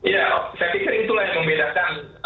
ya saya pikir itulah yang membedakan